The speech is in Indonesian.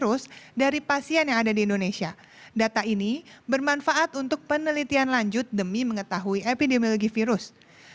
untuk penelitian lanjut demi mengetahui epidemiologi virus